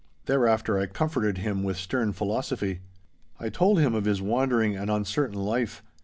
Thereafter I comforted him with stern philosophy. I told him of his wandering and uncertain life.